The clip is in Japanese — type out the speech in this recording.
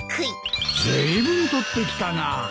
ずいぶん捕ってきたなあ。